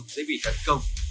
sẽ bị thất công